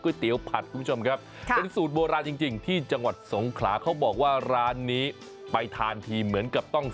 คุณอย่ามาดูถูกเอวผมนะครับ